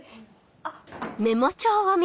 あっ。